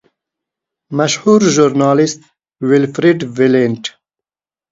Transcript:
مشهور ژورنالیسټ ویلفریډ بلنټ.